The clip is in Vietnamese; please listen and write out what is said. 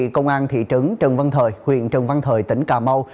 công an thị trấn trần văn thời huyện trần văn thời tỉnh cà mau